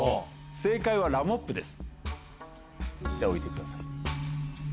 正解はラモップです。